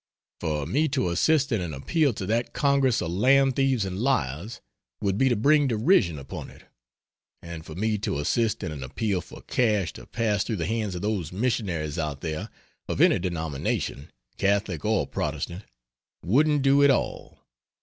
For me to assist in an appeal to that Congress of land thieves and liars would be to bring derision upon it; and for me to assist in an appeal for cash to pass through the hands of those missionaries out there, of any denomination, Catholic or Protestant, wouldn't do at all.